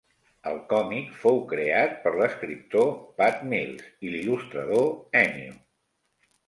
El còmic fou creat per l'escriptor Pat Mills i l'il·lustrador Enio.